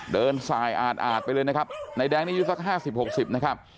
เดินทรายอาดอาดไปเลยนะครับนายแดงนี่อยู่สักห้าสิบหกสิบนะครับ